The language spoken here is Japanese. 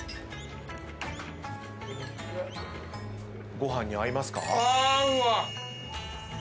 ご飯に合いますか？